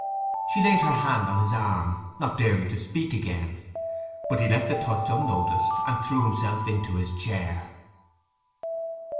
She laid her hand on his arm, not daring to speak again; but he left the touch unnoticed, and threw himself into his chair.